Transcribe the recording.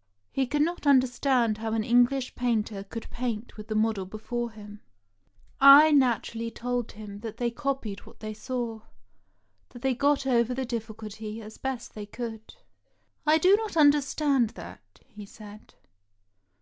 " He could not understand how an English painter could paint with the model before him. I naturally told him that they copied what they saw; that they got over the dijB&culty as best they could. "I do not understand that," he said.